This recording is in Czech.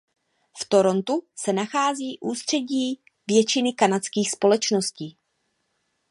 V Torontu se nachází ústředí většiny kanadských společností.